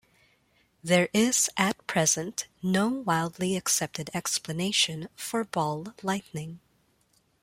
There is at present no widely accepted explanation for ball lightning.